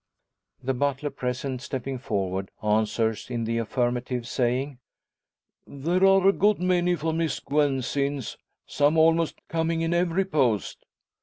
The butler present, stepping forward, answers in the affirmative, saying "There are a good many for Miss Gwen since some almost coming in every post."